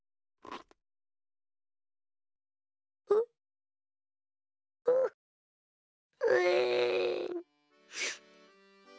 うううえん。